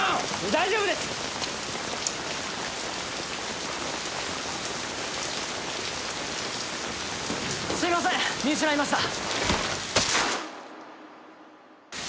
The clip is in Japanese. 「大丈夫です！」「すいません見失いました」